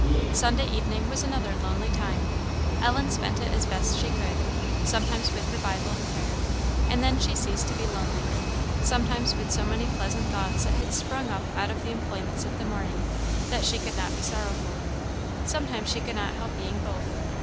Sunday evening was another lonely time; Ellen spent it as best she could. Sometimes with her Bible and prayer, and then she ceased to be lonely; sometimes with so many pleasant thoughts that had sprung up out of the employments of the morning, that she could not be sorrowful; sometimes she could not help being both.